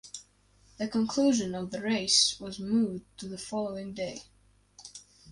The conclusion of the race was moved to the following day.